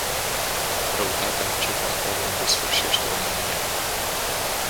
Răutatea începe acolo unde sfârșește omenia.